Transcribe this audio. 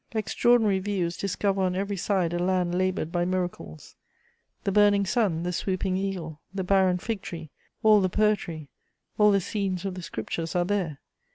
Extraordinary views discover on every side a land laboured by miracles: the burning sun, the swooping eagle, the barren fig tree, all the poetry, all the scenes of the Scriptures are there.